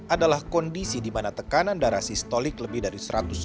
adalah kondisi di mana tekanan darah sistolik lebih dari satu ratus dua puluh